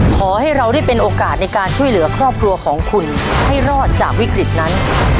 ขอให้เราได้เป็นโอกาสในการช่วยเหลือครอบครัวของคุณให้รอดจากวิกฤตนั้น